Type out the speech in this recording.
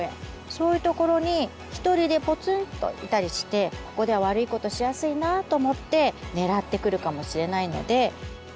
そういうところにひとりでポツンといたりしてここでは悪いことしやすいなと思って狙ってくるかもしれないので。